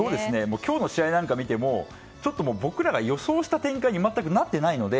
今日の試合なんかを見ても僕らが予想した展開に全くなってないので。